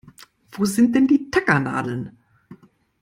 Wo sind denn die Tackernadeln?